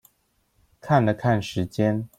看了看時間